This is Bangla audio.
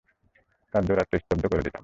তার দৌরাত্ম স্তব্ধ করে দিতাম।